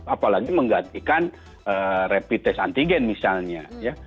apalagi menggantikan rapid test antigen misalnya ya